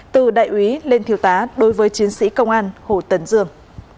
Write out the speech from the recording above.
từ đại úy lên thiếu tá đối với chiến sĩ công an hồ tấn dương